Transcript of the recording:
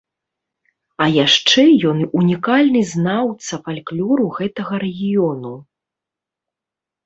А яшчэ ён унікальны знаўца фальклору гэтага рэгіёну.